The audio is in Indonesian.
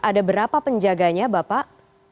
ada berapa penjaganya bapak